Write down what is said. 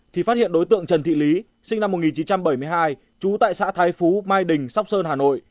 thì phát hiện đối tượng trần thị lý sinh năm một nghìn chín trăm bảy mươi hai trú tại xã thái phú mai đình sóc sơn hà nội